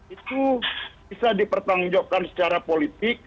itu bisa dipertanggungjawabkan secara politik